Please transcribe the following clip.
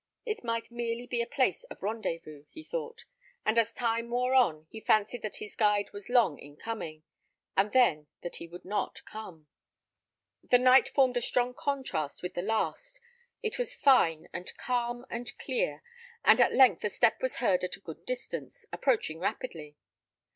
It might merely be a place of rendezvous, he thought; and as time wore on, he fancied that his guide was long in coming, and then that he would not come. The night formed a strong contrast with the last: it was fine, and calm, and clear, and at length a step was heard at a good distance, approaching rapidly.